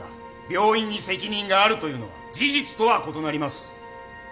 病院に責任があるというのは事実とは異なります。